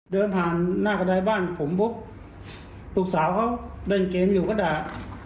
เดินผ่านหน้ากระดายบ้านผมปุ๊บลูกสาวเขาเล่นเกมอยู่ก็ด่า